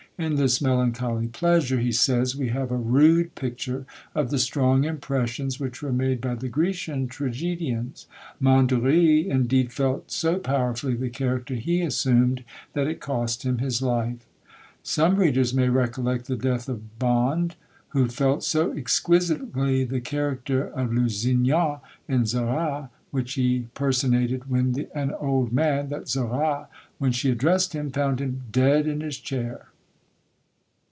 In this melancholy pleasure, he says, we have a rude picture of the strong impressions which were made by the Grecian tragedians. Mondory indeed felt so powerfully the character he assumed, that it cost him his life. Some readers may recollect the death of Bond, who felt so exquisitely the character of Lusignan in Zara, which he personated when an old man, that Zara, when she addressed him, found him dead in his chair.